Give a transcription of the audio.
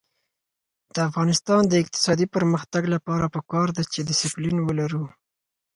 د افغانستان د اقتصادي پرمختګ لپاره پکار ده چې دسپلین ولرو.